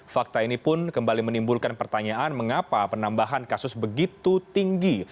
fakta ini pun kembali menimbulkan pertanyaan mengapa penambahan kasus begitu tinggi